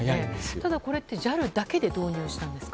ただ、これってＪＡＬだけで導入したんですか。